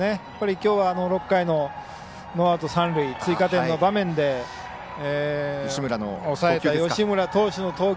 きょう、１回のノーアウト、三塁追加点の場面で抑えた吉村投手の投球。